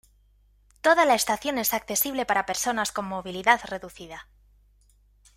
Toda la estación es accesible para personas con movilidad reducida.